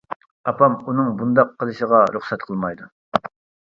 ئاپام ئۇنىڭ بۇنداق قىلىشىغا رۇخسەت قىلمايدۇ.